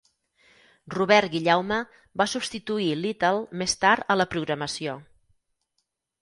Robert Guillaume va substituir Little més tard a la programació.